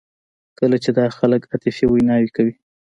کله چې دا خلک عاطفي ویناوې کوي.